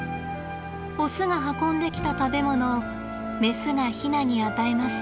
オスが運んできた食べ物をメスがヒナに与えます。